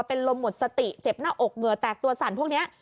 เป็นลมหมดสติเจ็บหน้าอกเหงื่อแตกตัวสั่นพวกนี้